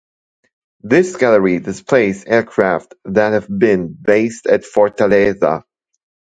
This gallery displays aircraft that have been based at Fortaleza.